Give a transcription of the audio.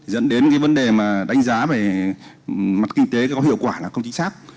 dẫn đến vấn đề đánh giá về mặt kinh tế có hiệu quả là không chính xác